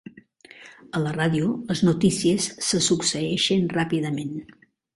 A la ràdio les notícies se succeeixen ràpidament.